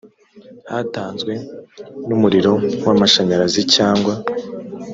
hatanzwe n umuriro w amashanyarazi cyangwa